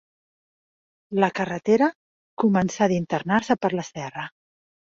La carretera començà d'internar-se per la serra